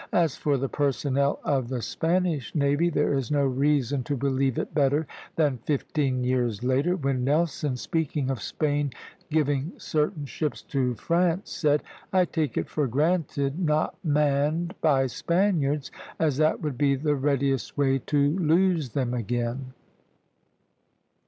As for the personnel of the Spanish navy, there is no reason to believe it better than fifteen years later, when Nelson, speaking of Spain giving certain ships to France, said, "I take it for granted not manned [by Spaniards], as that would be the readiest way to lose them again."